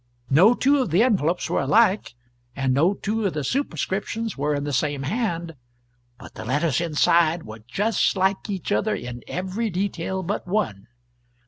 No two of the envelopes were alike, and no two of the superscriptions were in the same hand, but the letters inside were just like each other in every detail but one.